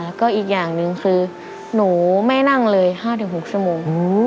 แล้วก็อีกอย่างหนึ่งคือหนูไม่นั่งเลย๕๖ชั่วโมง